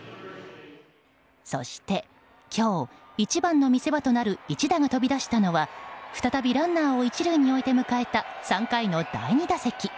そして、今日一番の見せ場となる一打が飛び出したのは再びランナーを１塁に置いて迎えた３回の第２打席。